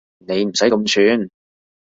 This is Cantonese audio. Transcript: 你唔使咁串